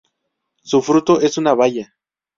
Su fruto es una baya.